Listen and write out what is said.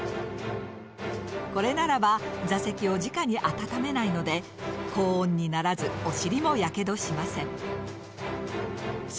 これならば座席をじかに温めないので高温にならずお尻もヤケドしません。